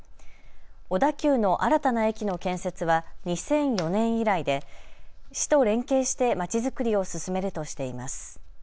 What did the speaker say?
小田急の新たな駅の建設は２００４年以来で市と連携してまちづくりを進めるとしています。